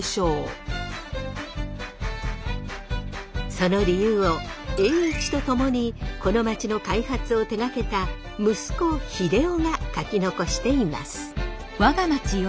その理由を栄一と共にこの街の開発を手がけた息子秀雄が書き残しています。